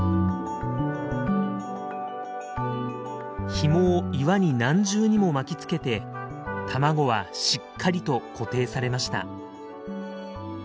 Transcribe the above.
ひもを岩に何重にも巻きつけて卵はしっかりと固定されました。